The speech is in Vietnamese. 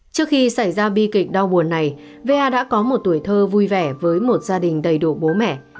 trước khi xảy ra bi kịch đau buồn này va đã có một tuổi thơ vui vẻ với một gia đình đầy đủ bố mẹ